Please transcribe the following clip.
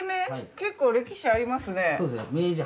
結構歴史ありますね。